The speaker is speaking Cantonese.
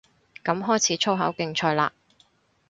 噉開始粗口競賽嘞